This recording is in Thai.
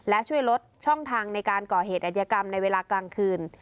และช่วยลดช่องทางในการก่อเหตุอัธยกรรมในเวลากลางคืน